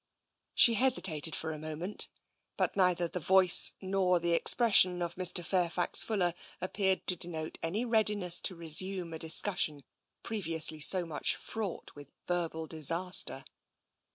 She hesitated for a moment, but neither the voice nor the expression of Mr. Fairfax Fuller appeared to denote any readiness to resume a discussion previously so much fraught with verbal disaster.